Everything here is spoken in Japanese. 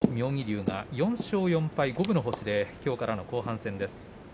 海と妙義龍が、４勝４敗五分の星できょうからの後半戦です。